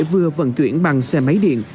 vừa vận chuyển bằng xe máy điện